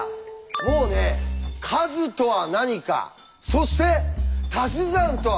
もうね「数」とは何かそして「たし算」とは何か。